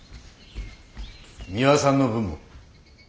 ミワさんの分も。